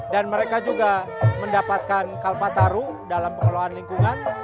dan mereka juga mendapatkan kalpataru dalam pengelolaan lingkungan